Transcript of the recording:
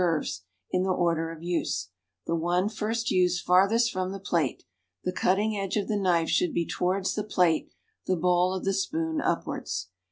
euvre in the order of use, the one first used farthest from the plate; the cutting edge of tlic knife should be towards the plate, the bowl of the spoon upwards.